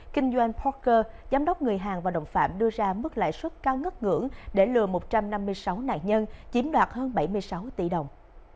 kinh doanh poker giám đốc người hàng và đồng phạm đưa ra mức lãi suất cao ngất ngưỡng để lừa một trăm năm mươi sáu nạn nhân chiếm đoạt hơn bảy mươi sáu tỷ đồng